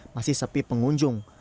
masih sepi penghujung